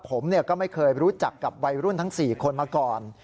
ผมก็ไม่เคยรู้จักกับวัยรุ่นทั้ง๔คนมาก่อน